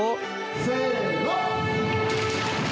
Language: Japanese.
せの！